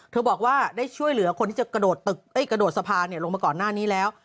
เธอบอกว่าได้ช่วยเหลือคนที่จะกระโดดสภาลลงมาก่อนหน้านี้แล้ว